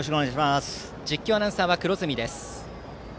実況アナウンサーは黒住です。